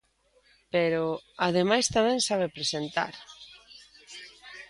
Pero, ademais, tamén sabe presentar.